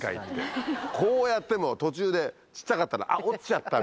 こうやっても途中で小っちゃかったら。